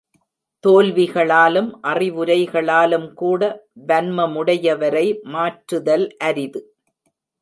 தோல்விகளாலும் அறிவுரைகளாலும் கூட வன்மமுடையவரை மாற்றுதல் அரிது.